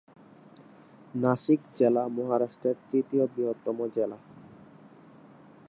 নাশিক জেলা মহারাষ্ট্রের তৃতীয় বৃহত্তম জেলা।